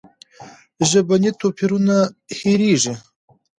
ژبني توپیرونه هېرېږي.